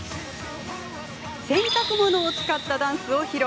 洗濯物を使ったダンスを披露！